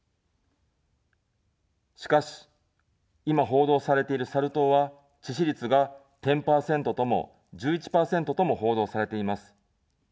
しかし、今、報道されているサル痘は致死率が１０％とも、１１％とも報道されています。